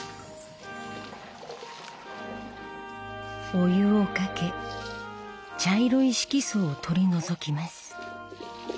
お湯をかけ茶色い色素を取り除きます。